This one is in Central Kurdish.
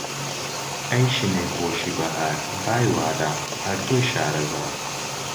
ئەی شنەی خۆشی بەهار، بای وادە! هەر تۆی شارەزا